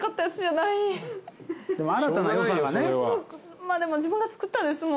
まあでも自分が作ったんですもん。